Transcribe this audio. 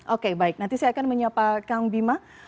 oke baik nanti saya akan menyapa kang bima